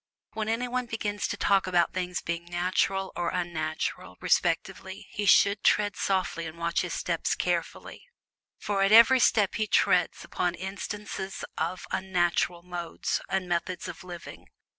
When anyone begins to talk about things being "natural" or "unnatural," respectively, he should tread softly and watch his steps carefully. For at every step he treads upon instances of "unnatural" modes and methods of living.